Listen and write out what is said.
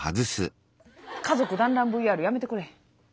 家族団らんＶＲやめてくれへん？